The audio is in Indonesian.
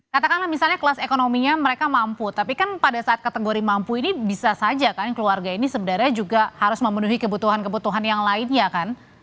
katakanlah misalnya kelas ekonominya mereka mampu tapi kan pada saat kategori mampu ini bisa saja kan keluarga ini sebenarnya juga harus memenuhi kebutuhan kebutuhan yang lainnya kan